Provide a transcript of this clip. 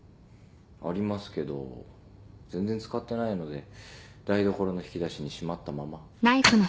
ありますけど全然使ってないので台所の引き出しにしまったまま。